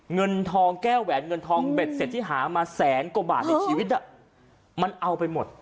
เงินทองแก้วแหวนเงินทองเบ็ดเสร็จที่หามาแสนกว่าบาทในชีวิตมันเอาไปหมด